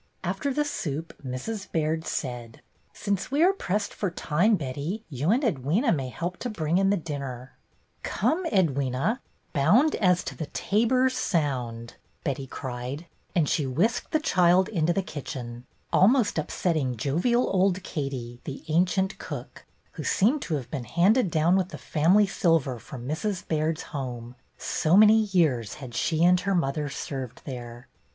After the soup Mrs. Baird said: "Since we are pressed for time, Betty, you and Edwyna may help to bring in the dinner." lo BETTY BAIRD'S GOLDEN YEAR ''Come, Edwyna, ' bound as to the tabor's sound,' " Betty cried, and she whisked the child into the kitchen, almost upsetting jovial old Katie, the ancient cook, who seemed to have been handed down with the family silver from Mrs. Baird's home, so many years had she and her mother served there.